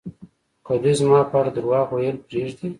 که دوی زما په اړه درواغ ویل پرېږدي